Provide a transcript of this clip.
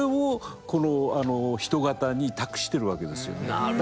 なるほど。